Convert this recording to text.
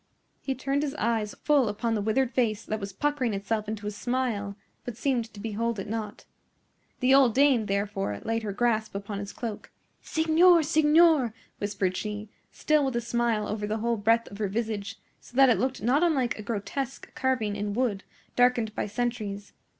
He turned his eyes full upon the withered face that was puckering itself into a smile, but seemed to behold it not. The old dame, therefore, laid her grasp upon his cloak. "Signor! signor!" whispered she, still with a smile over the whole breadth of her visage, so that it looked not unlike a grotesque carving in wood, darkened by centuries.